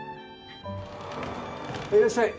いらっしゃい。